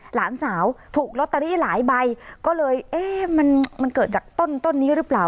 หลานสาวถูกลอตเตอรี่หลายใบก็เลยเอ๊ะมันมันเกิดจากต้นต้นนี้หรือเปล่า